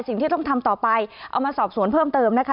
สิ่งที่ต้องทำต่อไปเอามาสอบสวนเพิ่มเติมนะคะ